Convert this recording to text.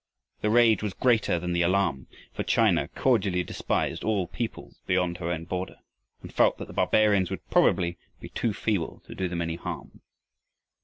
The rage was greater than the alarm, for China cordially despised all peoples beyond her own border, and felt that the barbarians would probably be too feeble to do them any harm.